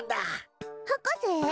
博士？